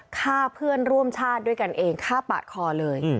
ฆ่าเพื่อนร่วมชาติด้วยกันเองฆ่าปาดคอเลย